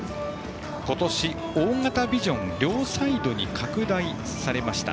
今年、大型ビジョンが両サイドに拡大されました。